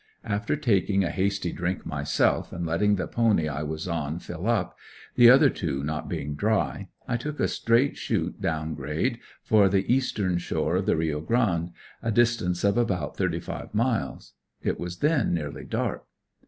After taking a hasty drink myself, and letting the pony I was on, fill up, the other two not being dry, I took a straight shoot down grade, for the "eastern shores of the Rio Grande," a distance of about thirty five miles. It was then nearly dark.